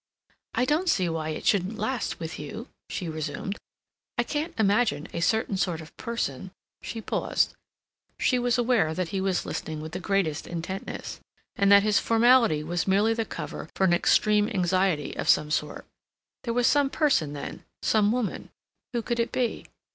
"I don't see why it shouldn't last with you," she resumed. "I can imagine a certain sort of person—" she paused; she was aware that he was listening with the greatest intentness, and that his formality was merely the cover for an extreme anxiety of some sort. There was some person then—some woman—who could it be?